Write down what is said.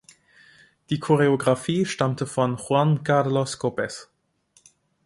Die Choreographie stammte von Juan Carlos Copes.